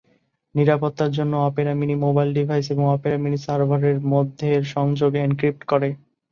নিরাপত্তার জন্য Opera mini mobile device এবং অপেরা মিনি সার্ভারের মধ্যের সংযোগ এনক্রিপ্ট করে।